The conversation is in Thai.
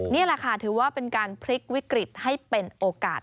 นี่แหละค่ะถือว่าเป็นการพลิกวิกฤตให้เป็นโอกาส